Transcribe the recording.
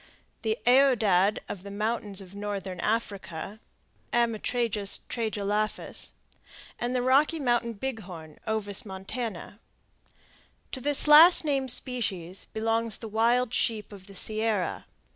the aoudad of the mountains of northern Africa (Ammotragus tragelaphus); and the Rocky Mountain bighorn (O. montana, Cuv.). To this last named species belongs the wild sheep of the Sierra.